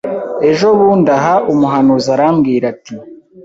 Ejobundi aha umuhanuzi arambwira ati